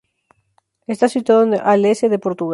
Está situado al S de Portugal.